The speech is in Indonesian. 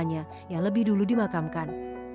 yang lebih dulu dimakamkan